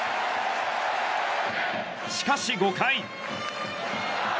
しかし５回。